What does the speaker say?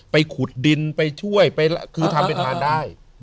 ขุดดินไปช่วยไปคือทำเป็นทานได้